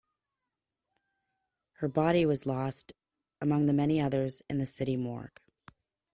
Her body was lost among the many others in the city morgue.